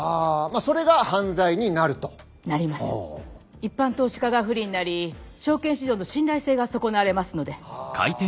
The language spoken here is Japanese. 一般投資家が不利になり証券市場の信頼性が損なわれますので。